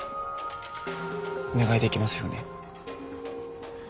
お願いできますよね？